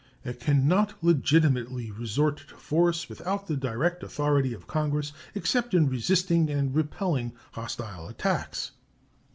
It can not legitimately resort to force without the direct authority of Congress, except in resisting and repelling hostile attacks.